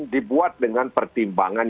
dibuat dengan pertimbangan